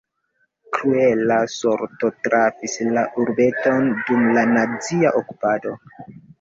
Kruela sorto trafis la urbeton dum la nazia okupado.